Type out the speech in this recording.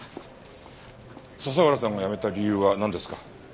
佐々浦さんが辞めた理由はなんですか？